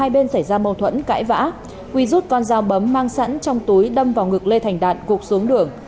hai bên xảy ra mâu thuẫn cãi vã quy rút con dao bấm mang sẵn trong túi đâm vào ngực lê thành đạt gục xuống đường